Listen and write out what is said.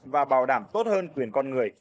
và bảo đảm tốt hơn quyền con người